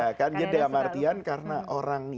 ya kan jadi dalam artian karena orang